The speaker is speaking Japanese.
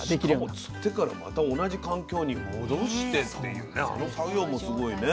しかも釣ってからまた同じ環境に戻してっていうね